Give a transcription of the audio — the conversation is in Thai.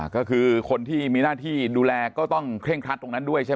ก็คือคนที่มีหน้าที่ดูแลก็ต้องเคร่งครัดตรงนั้นด้วยใช่ไหม